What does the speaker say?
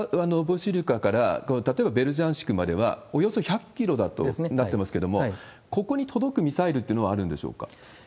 いわばベリカノボシルカから例えばベルジャンシクまではおよそ１００キロだとなってますけれども、ここに届くミサイルというのは、あるんでしょうか？